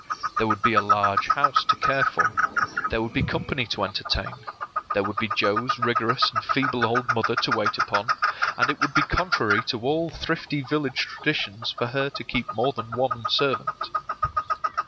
There would be a large house to care for; there would be company to entertain; there would be Joe's rigorous and feeble old mother to wait upon; and it would be contrary to all thrifty village traditions for her to keep more than one servant.